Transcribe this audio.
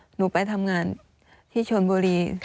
หนูไปทำงานที่ชนบุรี